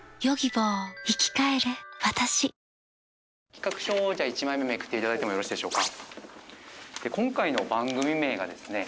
企画書１枚目めくっていただいてもよろしいでしょうか？